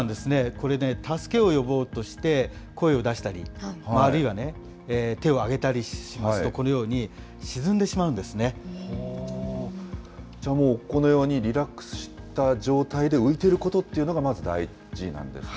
これね、助けを呼ぼうとして声を出したり、あるいは手を挙げたりしますと、このように沈んでしまじゃあもう、このようにリラックスした状態で浮いていることというのが、まず大事なんですね。